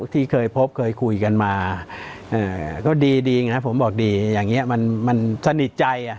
ที่เคยพบเคยคุยกันมาก็ดีไงครับผมบอกดีอย่างนี้มันสนิทใจ